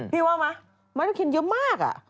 พี่ว่าไหมไม่ต้องกินเยอะมาก